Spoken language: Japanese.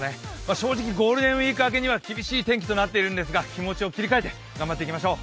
正直、ゴールデンウイーク明けには厳しい天気となっていますが気持ちを切り替えていきましょう。